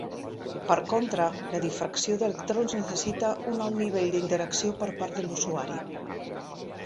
Per contra, la difracció d'electrons necessita un alt nivell d'interacció per part de l'usuari.